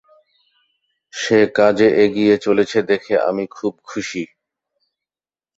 সে কাজে এগিয়ে চলেছে দেখে আমি খুব খুশী।